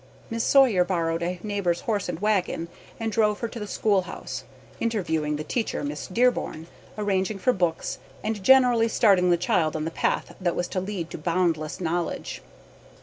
Miss Sawyer borrowed a neighbor's horse and wagon and drove her to the schoolhouse, interviewing the teacher, Miss Dearborn, arranging for books, and generally starting the child on the path that was to lead to boundless knowledge.